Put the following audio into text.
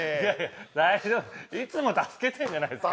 大丈夫いつも助けてるじゃないですか。